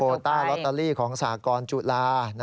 ต้าลอตเตอรี่ของสากรจุฬา